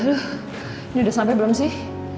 ini udah sampe belum sih